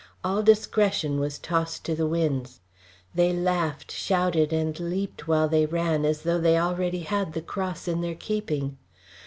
All discretion was tossed to the winds. They laughed, shouted, and leaped while they ran as though they already had the cross in their keeping.